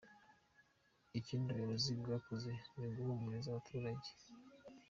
Ikindi ubuyobozi bwakozwe ni uguhumuriza abaturage.